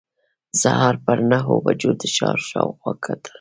سهار پر نهو بجو د ښار شاوخوا وکتل.